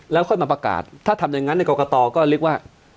แล้วค่อยมาประกาศถ้าทำอย่างนั้นในกรกตก็เรียกว่า